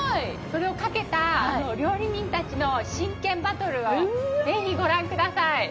それをかけた料理人たちの真剣バトルをぜひご覧ください。